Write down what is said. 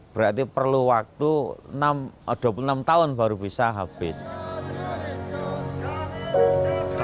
padahal yang ada di indonesia ini tiga belas lebih